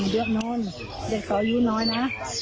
เด็กนอนเด็กเกาะยูน้อยน่ะ